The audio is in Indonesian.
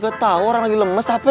gak tau orang lagi lemes pe